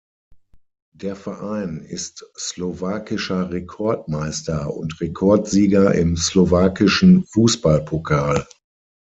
Der Verein ist slowakischer Rekordmeister und Rekordsieger im slowakischen Fußballpokal.